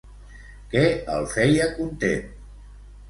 Què el feia content?